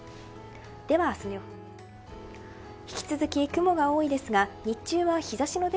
では、明日の予報です。